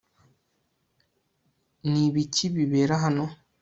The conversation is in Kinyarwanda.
Ni ibiki bibera hano